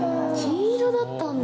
金色だったんだ。